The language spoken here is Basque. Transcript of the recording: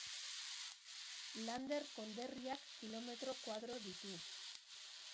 Lander konderriak kilometro koadro ditu.